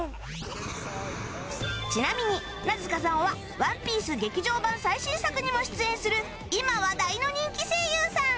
ちなみに名塚さんは『ＯＮＥＰＩＥＣＥ』劇場版最新作にも出演する今話題の人気声優さん